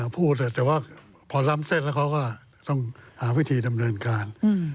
พูดแต่ว่าพอล้ำเส้นแล้วเขาก็ต้องหาวิธีดำเนินการ